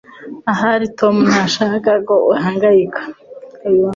Ahari Tom ntashaka ko uhangayika